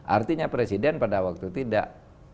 artinya presiden pada waktu tidak